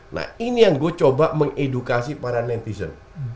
nah ini yang gue coba mengedukasi para netizen